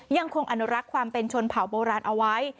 ยังคงอนุรักษ์ความเป็นชนเผาโบราณเอาไว้